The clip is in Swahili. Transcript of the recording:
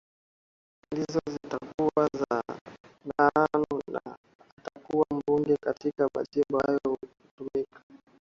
ndizo zitakuwa zinaanua nani atakuwa mbunge katika majimbo hayo tukihama huko